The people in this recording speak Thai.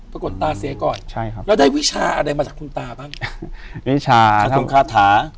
ปรากฏตาเสียก่อนใช่ครับแล้วได้วิชาอะไรมาจากคุณตาบ้างวิชาสะทงคาถา